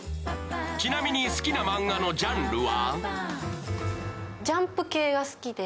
ちなみに、好きなマンガのジャンルは？